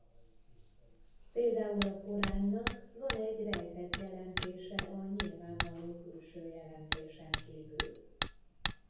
Például a Koránnak van egy rejtett jelentése a nyilvánvaló külső jelentésen kívül.